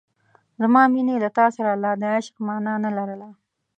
زما مینې له تا سره لا د عشق مانا نه لرله.